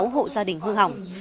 một mươi sáu hộ gia đình hư hỏng